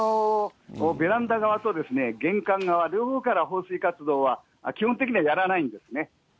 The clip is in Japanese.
ベランダ側と玄関側、両方から放水活動は、基本的にはやらないんですね。